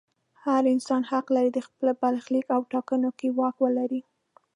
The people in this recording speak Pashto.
هر انسان حق لري د خپل برخلیک په ټاکلو کې واک ولري.